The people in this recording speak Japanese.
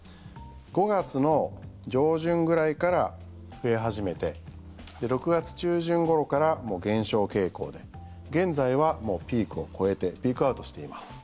５月の上旬ぐらいから増え始めて６月中旬ごろからもう減少傾向で現在はもうピークを越えてピークアウトしています。